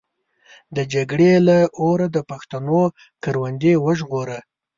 د جګړې له اوره د پښتنو کروندې وژغوره.